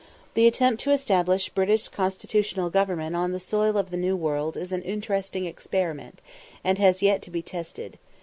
The attempt to establish British constitutional government on the soil of the New World is an interesting experiment, and has yet to be tested.